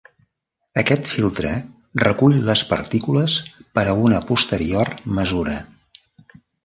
Aquest filtre recull les partícules per a una posterior mesura.